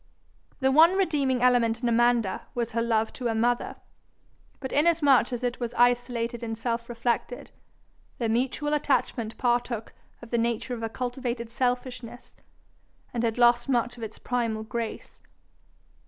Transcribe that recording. The one redeeming element in Amanda was her love to her mother, but inasmuch as it was isolated and self reflected, their mutual attachment partook of the nature of a cultivated selfishness, and had lost much of its primal grace.